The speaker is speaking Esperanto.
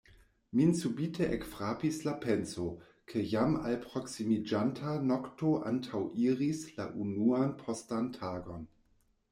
Min subite ekfrapis la penso, ke jam alproksimiĝanta nokto antaŭiris la unuan postan tagon.